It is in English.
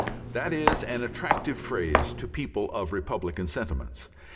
That is an attractive phrase to people of republican sentiments.